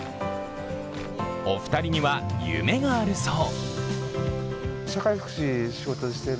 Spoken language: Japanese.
お二人には夢があるそう。